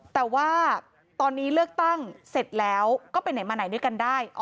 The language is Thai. แต่ว่าตอนนี้เลือกตั้งเสร็จแล้วก็ไปไหนมาไหนด้วยกันได้